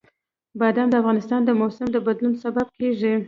بادام د افغانستان د موسم د بدلون سبب کېږي.